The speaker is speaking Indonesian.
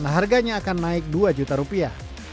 harganya akan naik dua juta rupiah